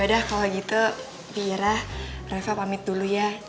yaudah kalo gitu bira reva pamit dulu ya